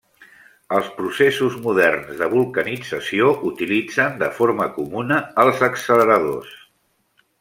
Els processos moderns de vulcanització utilitzen de forma comuna els acceleradors.